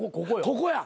ここや。